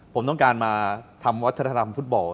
ผมต้องการมาทำวัฒนธรรมฟุตบอล